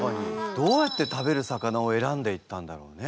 どうやって食べる魚を選んでいったんだろうね？